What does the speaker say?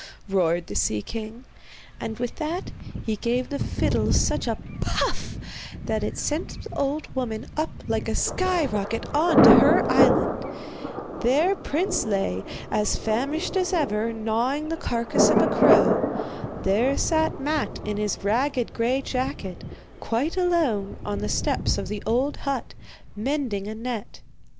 roared the sea king; and with that he gave the fiddle such a 'puff' that it sent the old woman up like a sky rocket on to her island. There Prince lay, as famished as ever, gnawing the carcase of a crow. There sat Matte in his ragged grey jacket, quite alone, on the steps of the old hut, mending a net.